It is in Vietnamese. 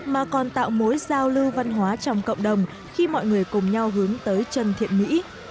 mà còn tạo mối giao lưu văn hóa trong cộng đồng khi mọi người cùng nhau hướng tới chân thiện mỹ